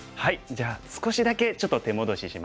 じゃあ少しだけちょっと手戻ししますね。